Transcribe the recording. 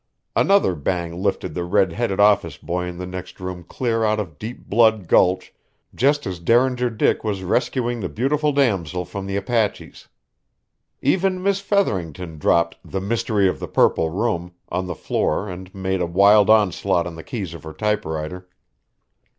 Another bang lifted the red headed office boy in the next room clear out of Deep Blood Gulch just as Derringer Dick was rescuing the beautiful damsel from the Apaches. Even Miss Featherington dropped "The Mystery of the Purple Room" on the floor and made a wild onslaught on the keys of her typewriter.